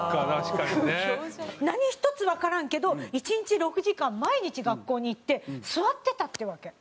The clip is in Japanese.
何一つわからんけど１日６時間毎日学校に行って座ってたっていうわけ。